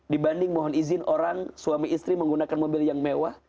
dibanding mohon izin orang suami istri menggunakan mobil yang mewah